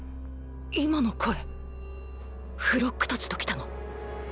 今の声フロックたちと来たの？